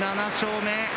７勝目。